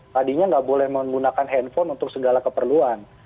tadinya nggak boleh menggunakan handphone untuk segala keperluan